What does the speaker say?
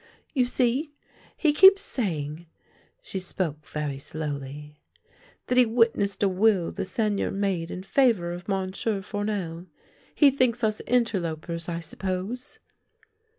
" You see, he keeps saying "— she spoke very slowly —" that he witnessed a will the Seigneur made in fa vour of Monsieur Fournel. He thinks us interlopers, I suppose."